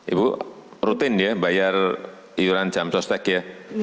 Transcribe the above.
ibu rutin ya bayar iuran jam sostek ya